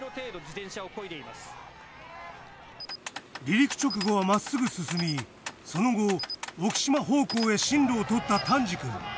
離陸直後はまっすぐ進みその後沖島方向へ針路を取った丹治くん